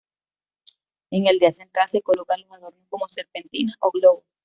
En el día central se coloca los adornos como serpentinas o globos.